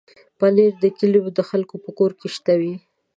پنېر د کلیو د خلکو په کور کې شته وي.